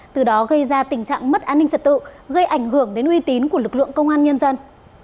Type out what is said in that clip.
từ đó gây ra tình trạng mất an ninh trật tự gây ảnh hưởng đến uy tín của lực lượng công an nhân dân